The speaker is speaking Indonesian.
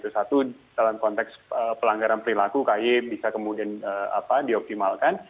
satu dalam konteks peranggaran perilaku kaye bisa kemudian dioptimalkan